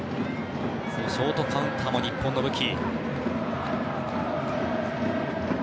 ショートカウンターも日本の武器。